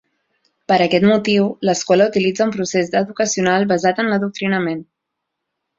Per aquest motiu, l’escola utilitza un procés educacional basat en l’adoctrinament.